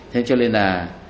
thế cho nên là